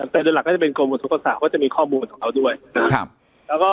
แต่โดยหลักก็จะเป็นกรมอุทธกษาก็จะมีข้อมูลของเราด้วยนะครับ